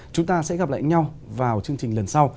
chúng ta sẽ gặp lại nhau vào chương trình lần sau